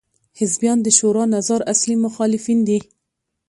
حزبیان د شورا نظار اصلي مخالفین دي.